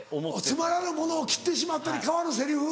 「つまらぬものを斬ってしまった」に代わるセリフ？